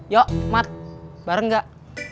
yo mat bareng gak